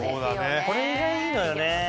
これがいいのよね。